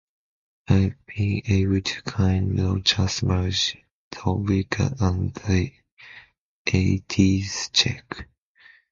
I've been able to kind of just merge the Wicca and the Eighties chick.